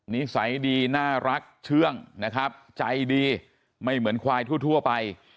นิสัยดีน่ารักเชื่องนะครับใจดีไม่เหมือนควายทั่วไป